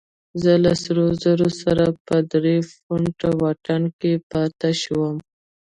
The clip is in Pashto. زه له سرو زرو سره په درې فوټه واټن کې پاتې شوم.